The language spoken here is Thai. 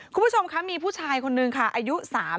คุณผู้ชมคะมีผู้ชายคนนึงค่ะอายุ๓๐